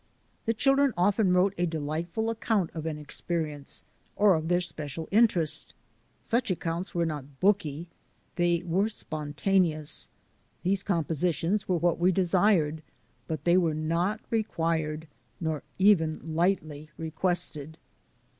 The children often wrote a delightful account of an experience or of their special interest. Such ac counts were not booky, they were spontaneous. These compositions were what we desired but they were not required nor even lightly requested.